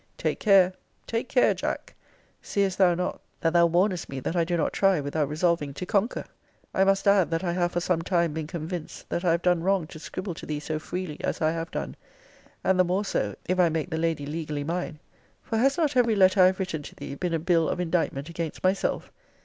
Take care take care, Jack! Seest thou not that thou warnest me that I do not try without resolving to conquer? I must add, that I have for some time been convinced that I have done wrong to scribble to thee so freely as I have done (and the more so, if I make the lady legally mine); for has not every letter I have written to thee been a bill of indictment against myself?